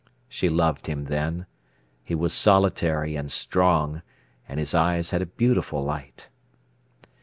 She loved him then. He was solitary and strong, and his eyes had a beautiful light.